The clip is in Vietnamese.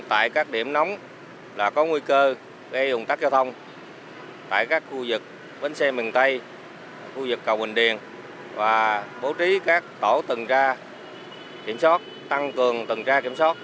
tại các khu vực bến xe miền tây khu vực cầu bình điển bố trí các tổ tầng tra kiểm soát tăng cường tầng tra kiểm soát